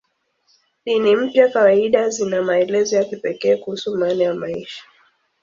Dini mpya kawaida zina maelezo ya kipekee kuhusu maana ya maisha.